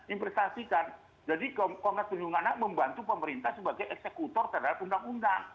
investasikan jadi komnas perlindungan anak membantu pemerintah sebagai eksekutor terhadap undang undang